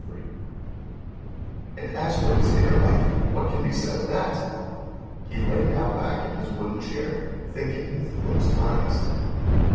III And as for His inner life, what can be said of that? He lay now back in his wooden chair, thinking with closed eyes.